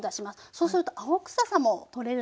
そうすると青くささも取れるので。